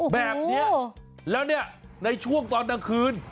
แบบนี้แล้วเนี่ยในช่วงตอนกลางคืน